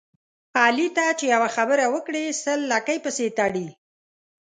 علي ته چې یوه خبره وکړې سل لکۍ پسې تړي.